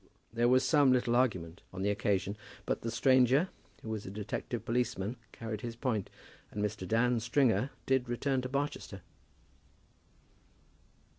There was some little argument on the occasion; but the stranger, who was a detective policeman, carried his point, and Mr. Dan Stringer did return to Barchester.